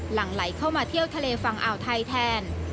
หลังไหลเข้ามาเที่ยวทะเลฝั่งอ่าวไทยแทน